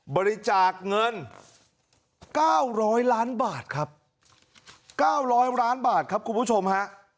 บริจาคเงิน๙๐๐ล้านบาทครับ๙๐๐ล้านบาทครับคุณผู้ชมฮะ